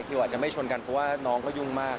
คืออาจจะไม่ชนกันเพราะว่าน้องก็ยุ่งมาก